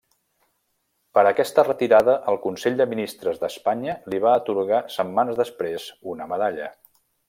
Per aquesta retirada el Consell de Ministres d'Espanya li va atorgar setmanes després una medalla.